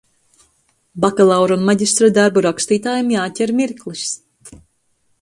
Bakalaura un maģistra darbu rakstītājiem jāķer mirklis.